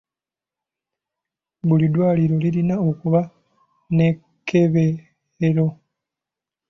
Buli ddwaliro lirina okuba n'ekkeberero.